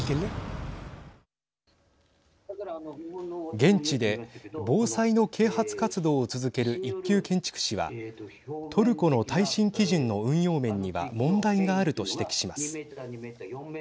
現地で防災の啓発活動を続ける一級建築士はトルコの耐震基準の運用面には問題があると指摘します。